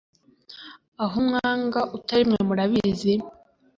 aho umwaga utari mwe murabizi